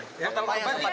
totalnya berapa pak